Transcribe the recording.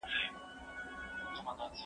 زه به سبا کتابونه وړم وم؟